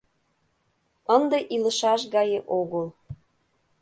Ынде илышаш гае огыл...